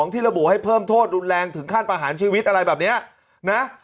ที่ระบุให้เพิ่มโทษรุนแรงถึงขั้นประหารชีวิตอะไรแบบนี้นะ